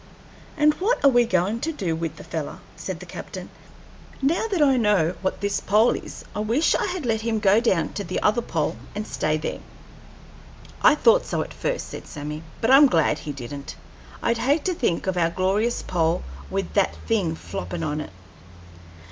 "And what are we goin' to do with the feller?" said the captain. "Now that I know what this Pole is, I wish I had let him go down to the other pole and stay there." "I thought so at first," said Sammy; "but I'm glad he didn't; I'd hate to think of our glorious pole with that thing floppin' on it."